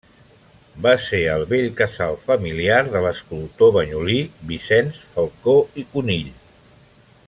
Va ser el vell casal familiar de l'escultor banyolí Vicenç Falcó i Conill.